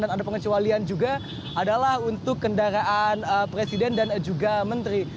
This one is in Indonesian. dan ada pengecualian juga adalah untuk kendaraan presiden dan juga menteri